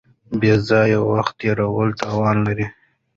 بې ځایه وخت تېرول تاوان لري.